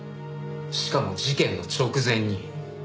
しかも事件の直前に。